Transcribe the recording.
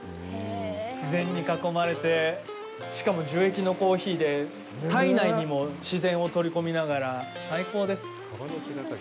自然に囲まれてしかも樹液のコーヒーで体内にも自然を取り込みながら最高です。